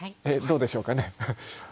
どうでしょうかね。